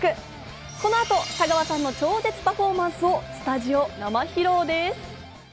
この後、田川さんの超絶パフォーマンスをスタジオ生披露です。